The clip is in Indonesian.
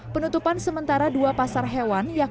penutupan sementara di pasar hewan aji barang